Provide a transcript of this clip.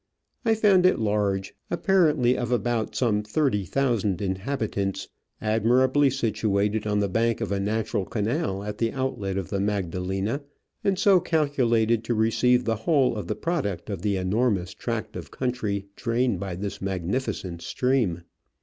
I found it large, apparently of about some thirty thousand inhabitants, admirably situated on the bank of a natural canal at the outlet of the Magdalena, and so calculated to re ceive the whole of the product of the enormous tract of country drained by this magnificent stream.